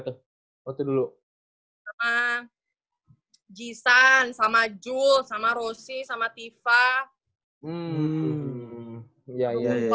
banyak banget lagi orangnya